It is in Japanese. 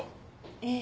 ええ。